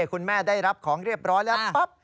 คุณแม่ได้รับของเรียบร้อยแล้วปั๊บ